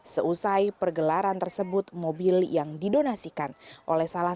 seusai pergelaran tersebut mobil yang didonasikan oleh sandiaga uno